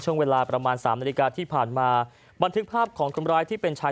ช่วงเวลาประมาณสามนาฬิกาที่ผ่านมาบันทึกภาพของคนร้ายที่เป็นชาย